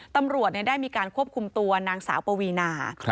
ตำรวจได้มีการควบคุมตัวนางสาวปวีนา